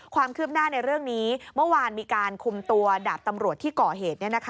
ความคืบหน้าในเรื่องนี้เมื่อวานมีการคุมตัวดาบตำรวจที่ก่อเหตุ